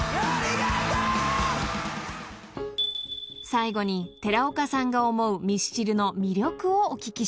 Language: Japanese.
［最後に寺岡さんが思うミスチルの魅力をお聞きしました］